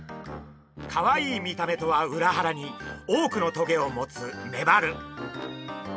かわいい見た目とは裏腹に多くのトゲを持つメバル。